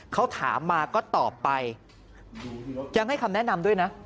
เขาถามมาก็ตอบไปยังให้คำแนะนำด้วยนะ